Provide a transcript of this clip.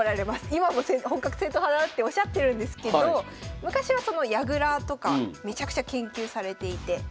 今も本格正統派だっておっしゃってるんですけど昔はその矢倉とかめちゃくちゃ研究されていて。